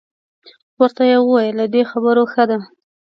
ورته یې وویل له دې خبرو ښه ده.